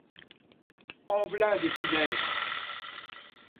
En v'là des punaises!